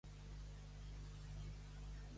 S'ha introduït a l'equació els fons Next Generation.